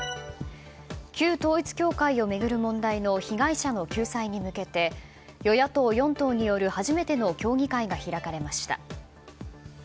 旧統一教会を巡る問題の被害者の救済に向けて与野党４党による初めての協議会が開かれました。